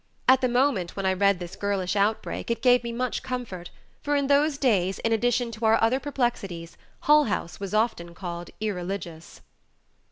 At the moment when I read this girlish outbreak it gave me much comfort, for in those days in addition to our other perplexities Hull House was often called irreligious.